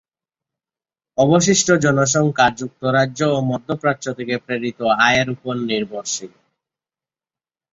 অবশিষ্ট জনসংখ্যা যুক্তরাজ্য ও মধ্যপ্রাচ্য থেকে প্রেরিত আয়ের উপর নির্ভরশীল।